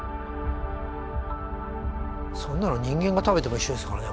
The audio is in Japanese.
そんなの人間が食べても一緒ですからね